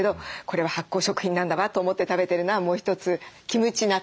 「これは発酵食品なんだわ」と思って食べてるのはもう一つキムチ納豆ですね。